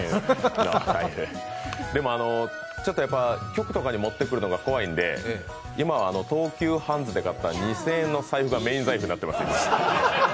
でも、ちょっとやっぱ局とかに持ってくるのが怖いので今は東急ハンズで買った２０００円の財布がメイン財布になってます。